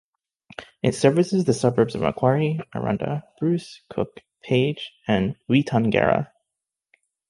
It services the suburbs of Macquarie, Aranda, Bruce, Cook, Page and Weetangera.